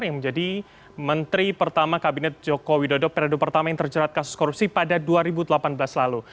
yang menjadi menteri pertama kabinet joko widodo periode pertama yang terjerat kasus korupsi pada dua ribu delapan belas lalu